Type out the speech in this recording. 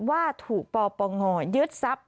ว่าถูปป่อง่อยยึดทรัพย์